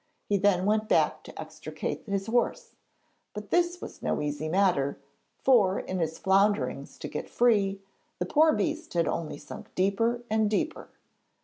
He then went back to extricate his horse, but this was no easy matter, for, in his flounderings to get free, the poor beast had only sunk deeper and deeper.